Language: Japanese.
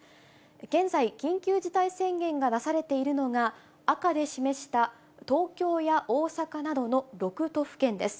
現在、緊急事態宣言が出されているのが、赤で示した東京や大阪などの６都府県です。